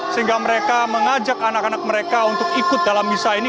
sehingga mereka mengajak anak anak mereka untuk ikut dalam misa ini